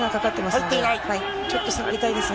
ちょっと下がりたいですね。